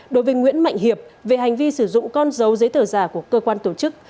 đối với nguyễn mạnh hiệp về hành vi sử dụng con dấu giấy tờ giả của cơ quan tổ chức